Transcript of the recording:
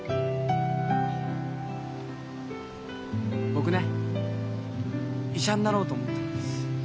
僕ね医者になろうと思ってるんです。